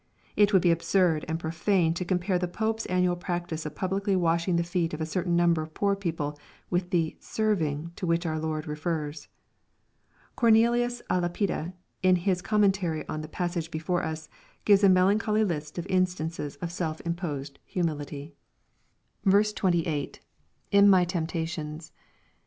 It would be absurd and profane to compaie the Pope's annual practice of publicly washing the feet of a certain number of poor people with the "serving" to which our Lord refers. Cornelius il Lapide, in hii oommentaiy on the passage before us, gives a melancholy list of ui8taQ<'«s or self imposed humility. 408 EXPOSITORY THOUGHTS, 28. — [In my temptations.